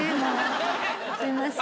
すいません。